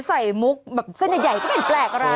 มุกแบบเส้นใหญ่ก็ไม่แปลกอะไร